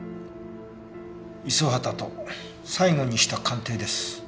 五十畑と最後にした鑑定です。